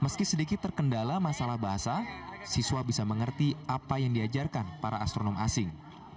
meski sedikit terkendala masalah bahasa siswa bisa mengerti apa yang diajarkan para astronom asing